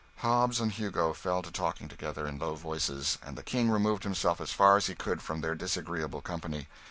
Hobbs and Hugo fell to talking together, in low voices, and the King removed himself as far as he could from their disagreeable company.